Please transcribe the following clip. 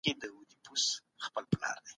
ټول افغانان باید د ملي ویاړونو ساتنه وکړي.